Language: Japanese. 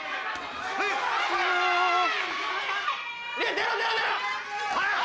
・出ろ出ろ出ろ！